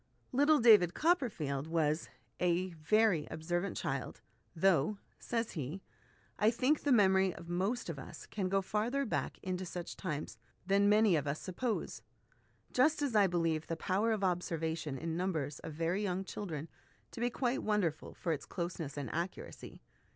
Little David Copperfield was " a very observant child, though," says he, " I think the memory of most of us can go farther back into such times than many of us suppose ; just as I believe the power of observation in numbers of very young children to be quite wonderful for its closeness and accuracy.